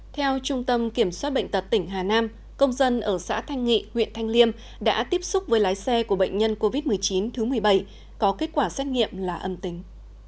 theo trung tâm kiểm soát bệnh tật tỉnh hà nam công dân ở xã thanh nghị huyện thanh liêm đã tiếp xúc với lái xe của bệnh nhân covid một mươi chín thứ một mươi bảy có kết quả xét nghiệm là âm tính